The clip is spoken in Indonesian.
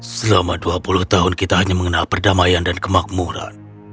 selama dua puluh tahun kita hanya mengenal perdamaian dan kemakmuran